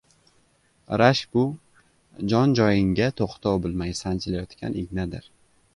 Rashk bu – jon joyingga to‘xtov bilmay sanchilayotgan ignadir.